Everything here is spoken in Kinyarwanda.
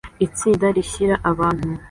Itsinda rishyira ahantu